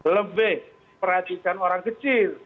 lebih perhatikan orang kecil